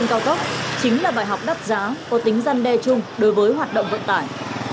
giao tốc chính là bài học đắt giá có tính gian đe chung đối với hoạt động vận tải